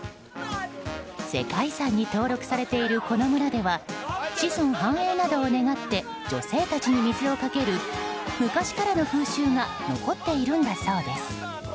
世界遺産に登録されているこの村では子孫繁栄などを願って女性たちに水をかける昔からの風習が残っているんだそうです。